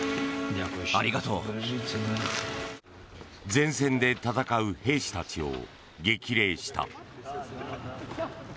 前線で戦う兵士たちを激励した。